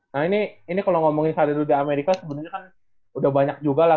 nah ini kalau ngomongin sardu di amerika sebenarnya kan udah banyak juga lah